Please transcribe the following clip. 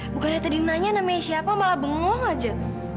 bukannya tadi nanya namanya siapa malah bengong aja